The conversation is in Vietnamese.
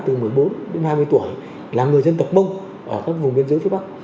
từ một mươi bốn đến hai mươi tuổi là người dân tập bông ở các vùng bên dưới phía bắc